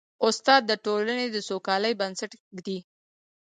استاد د ټولنې د سوکالۍ بنسټ ږدي.